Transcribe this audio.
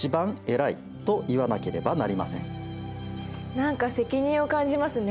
何か責任を感じますね。